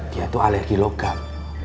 dia tuh alergi logam